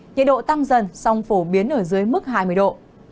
nhiệt độ tăng dần song phổ biến ở dưới mức hai mươi độ